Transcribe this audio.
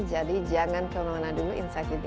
jadi jangan kemana mana dulu insight tv